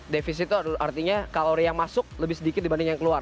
defisit itu artinya kalori yang masuk lebih sedikit dibanding yang keluar